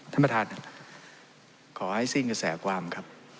ท่านประธานขอให้สิ้นกระแสความครับ